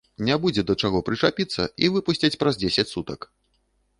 Не будзе да чаго прычапіцца, і выпусцяць праз дзесяць сутак!